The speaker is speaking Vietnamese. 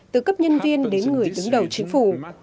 từ cấp nhân viên đến người đứng đầu chính phủ